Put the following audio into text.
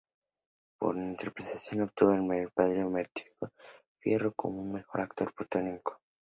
Por su interpretación, obtuvo el premio Martín Fierro como mejor actor protagónico de comedia.